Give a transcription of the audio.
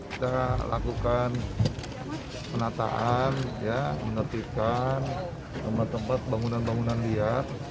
kita lakukan penataan menetipkan tempat tempat bangunan bangunan liar